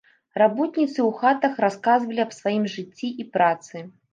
Работніцы ў хатах расказвалі аб сваім жыцці і працы.